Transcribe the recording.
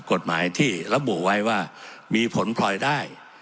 กฎหมายที่ระบุไว้ว่ามีผลพลอยได้